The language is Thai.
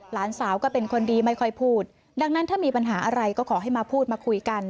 หลานสาวก็เป็นคนดีไม่ค่อยพูดดังนั้นถ้ามีปัญหาอะไรก็ขอให้มาพูดมาคุยกัน